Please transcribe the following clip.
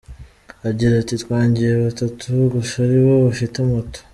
Agira ati “Twangiye batatu gusa aribo bafite moto.